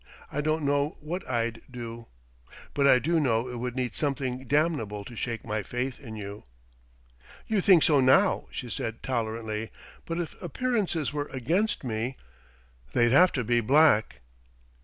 I don't know what I'd do, but I do know it would need something damnable to shake my faith in you!" "You think so now," she said tolerantly. "But if appearances were against me " "They'd have to be black!"